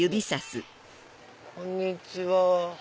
こんにちは。